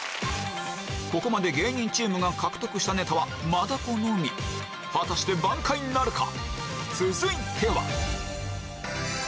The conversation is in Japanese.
ここまで芸人チームが獲得したネタは真だこのみ果たして挽回なるか？